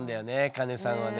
カネさんはね。